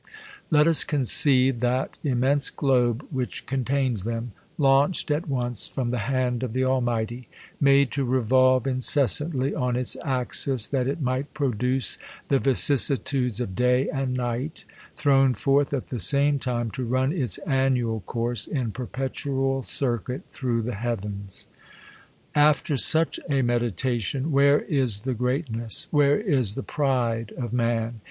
Let us conceive that immense globe which con tains them, launched at once from the hand of the Al mighty ; made to revolve incessantly on its axis, that it might produce the vicissitudes of day and night; thrown forth, at the same time, to run its annual course in per petual circuit through the heavens. After such a meditation, where is the greatness, where is the pride of man